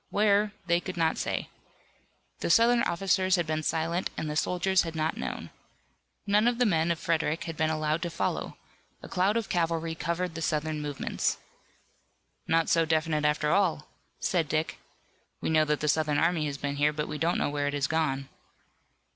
Where! They could not say. The Southern officers had been silent and the soldiers had not known. None of the people of Frederick had been allowed to follow. A cloud of cavalry covered the Southern movements. "Not so definite after all," said Dick. "We know that the Southern army has been here, but we don't know where it has gone."